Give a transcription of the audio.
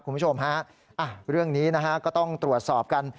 คุณผู้ชมฮะเรื่องนี้นะฮะก็ต้องตรวจสอบกัน